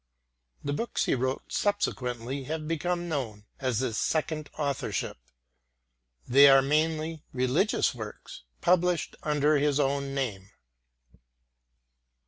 The books he wrote subsequently have become known as his second authorship; they are mainly religious works, published under his own name.